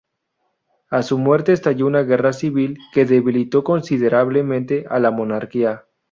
A su muerte estalló una guerra civil que debilitó considerablemente a la monarquía.